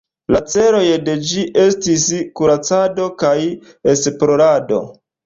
La celoj de ĝi estis kuracado kaj esplorado.